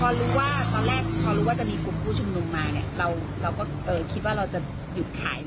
พอรู้ว่าจะมีกลุ่มผู้ชุมนุมมาเนี่ยเราก็คิดว่าเราจะหยุดขายหรือเปล่า